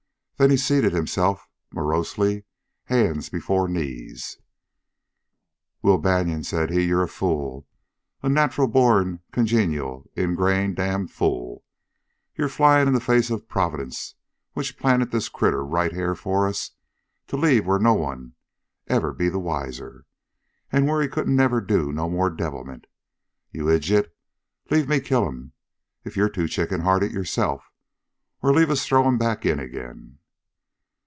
Then he seated himself, morosely, hands before knees. "Will Banion," said he, "ye're a fool a nacherl borned, congenual, ingrain damned fool! Ye're flyin' in the face o' Proverdence, which planted this critter right here fer us ter leave where no one'd ever be the wiser, an' where he couldn't never do no more devilment. Ye idjit, leave me kill him, ef ye're too chicken hearted yoreself! Or leave us throw him back in again!"